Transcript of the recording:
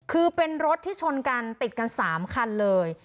คือเป็นรถที่ชนกันติดกัน๓คันเลย